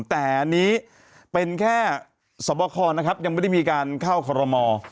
แต่อันนี้เป็นแค่สวบคนะครับยังไม่ได้มีการเข้าคอรมอ